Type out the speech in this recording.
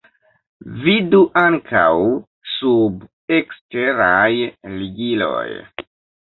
Vidu ankaŭ sub 'Eksteraj ligiloj'.